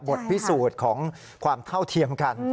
บทพิสูจน์ของความเท่าเทียมกัน